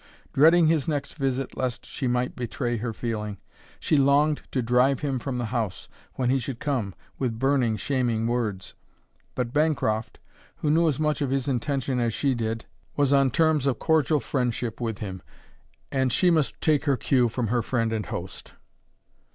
Dreading his next visit lest she might betray her feeling, she longed to drive him from the house, when he should come, with burning, shaming words. But Bancroft, who knew as much of his intention as she did, was on terms of cordial friendship with him, and she must take her cue from her friend and host.